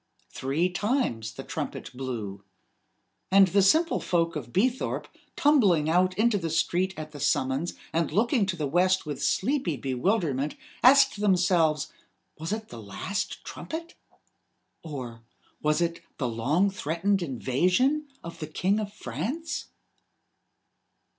Three times the trumpet blew. And the simple folk of Beethorpe, tumbling out into the street at the summons, and looking to the west with sleepy bewilderment, asked themselves: Was it the last trumpet? Or was it the long threatened invasion of the King of France?